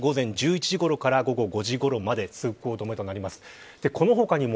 さらには代官町通りも午前１１時ごろから午後５時ごろまで通行止めとなります。